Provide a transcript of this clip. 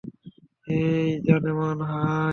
হেই, জানেমান, হাই!